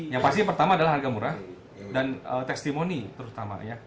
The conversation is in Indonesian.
yang pasti pertama adalah harga murah dan testimoni terutama